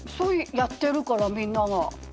やってるからみんなが。